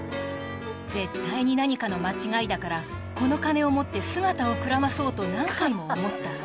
絶対に何かの間違いだから、この金を持って姿をくらまそうと何回も思った。